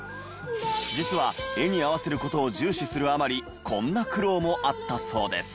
実は画に合わせる事を重視するあまりこんな苦労もあったそうです。